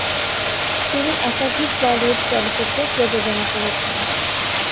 তিনি একাধিক বলিউড চলচ্চিত্র প্রযোজনা করেছেন।